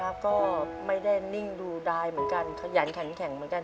แล้วก็ไม่ได้นิ่งดูดายเหมือนกันขยันแข็งเหมือนกัน